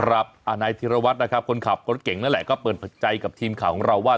นายธิรวัตรนะครับคนขับรถเก่งนั่นแหละก็เปิดใจกับทีมข่าวของเราว่า